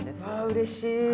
うれしい。